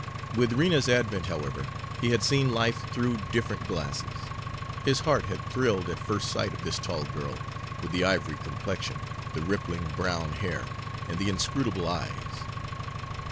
With Rena's advent, however, he had seen life through different glasses. His heart had thrilled at first sight of this tall girl, with the ivory complexion, the rippling brown hair, and the inscrutable eyes.